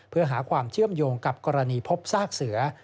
เพื่อหาความเชื่อมโยงกับกรณีพบซากเสือ